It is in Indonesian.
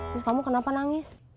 terus kamu kenapa nangis